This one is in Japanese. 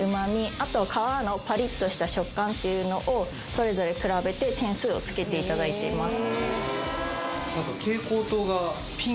あとは皮のパリッとした食感っていうのをそれぞれ比べて点数をつけていただいています